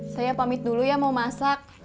saya pamit dulu ya mau masak